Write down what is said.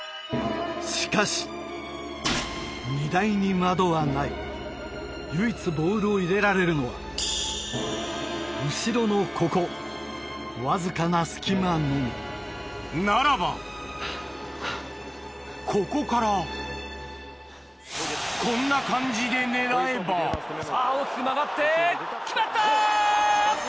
しかし荷台に窓はない唯一ボールを入れられるのは後ろのここわずかな隙間のみならばここからこんな感じで狙えばさぁ大きく曲がって決まった！